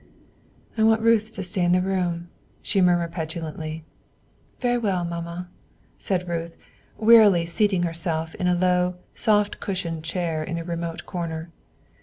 "I want Ruth to stay in the room," she murmured petulantly. "Very well, Mamma," said Ruth, wearily, seating herself in a low, soft cushioned chair in a remote corner.